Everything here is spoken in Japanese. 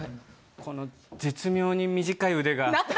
この絶妙に短い腕が。